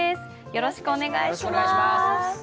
よろしくお願いします。